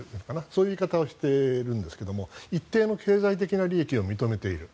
そういう言い方をしているんですが一定の経済的な利益を認めている。